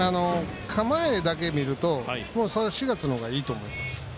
構えだけ見ると４月の方がいいと思います。